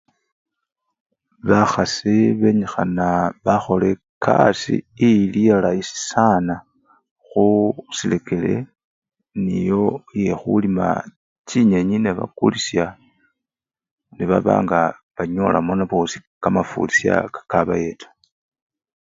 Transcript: Bakhasi benyikhana bakhola ekasii iliyalayisi sanakhu! khusirekere nio yekhulima chinyenyi nebakusya nababa nga banyolamo bosii si! kamafurisya kakabayeta.